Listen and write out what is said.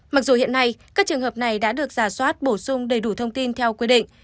mặc dù hiện nay các trường hợp này đã được giả soát bổ sung đầy đủ thông tin theo quy định